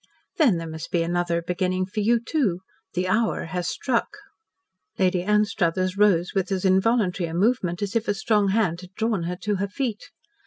"Then there must be another beginning for you, too. The hour has struck." Lady Anstruthers rose with as involuntary a movement as if a strong hand had drawn her to her feet.